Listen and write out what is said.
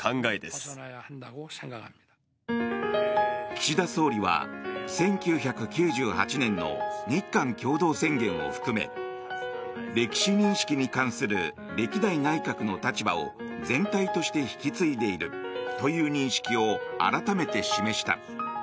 岸田総理は１９９８年の日韓共同宣言を含め歴史認識に関する歴代内閣の立場を全体として引き継いでいるという認識を改めて示した。